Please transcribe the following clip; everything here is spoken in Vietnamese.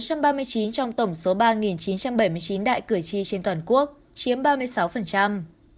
của một bốn trăm ba mươi chín trong tổng số ba chín trăm bảy mươi chín đại cử tri trên toàn quốc chiếm ba mươi sáu